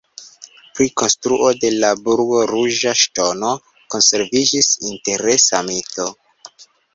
Pri konstruo de la burgo Ruĝa Ŝtono konserviĝis interesa mito.